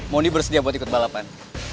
mony bersedia buat ikut balapan